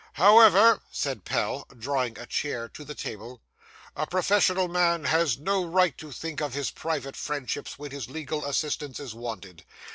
'However,' said Pell, drawing a chair to the table, 'a professional man has no right to think of his private friendships when his legal assistance is wanted.